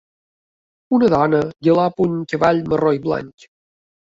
Una dona galopa un cavall marró i blanc.